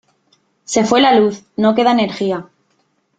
Se fue la luz, no queda energía.